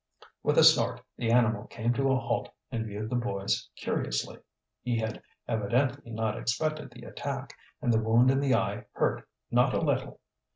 With a snort the animal came to a halt and viewed the boys curiously. He had evidently not expected the attack, and the wound in the eye hurt not a little.